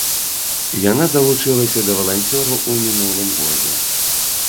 Яна далучылася да валанцёраў у мінулым годзе.